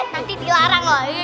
nanti dilarang loh